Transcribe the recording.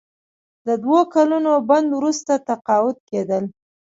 د دوه کلونو بند وروسته تقاعد کیدل.